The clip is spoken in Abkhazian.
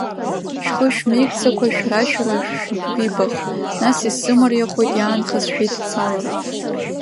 Шәхы шәмеигӡакәа шәара-шәара шәықәибах, нас исзымариахоит иаанхаз шәеидцалара!